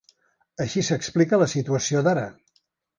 Així s’explica la situació d’ara.